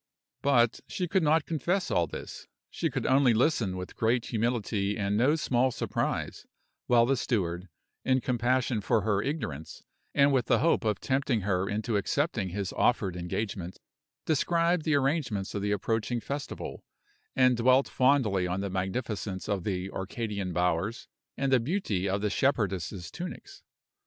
But she could not confess all this; she could only listen with great humility and no small surprise, while the steward, in compassion for her ignorance, and with the hope of tempting her into accepting his offered engagement, described the arrangements of the approaching festival, and dwelt fondly on the magnificence of the Arcadian bowers, and the beauty of the shepherdesses' tunics.